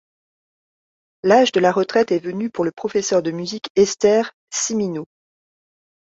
L’âge de la retraite est venu pour le professeur de musique Esther Cimino.